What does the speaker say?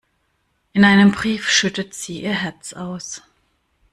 In einem Brief schüttet sie ihr Herz aus.